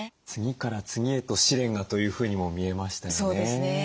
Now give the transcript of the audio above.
次から次へと試練がというふうにも見えましたよね。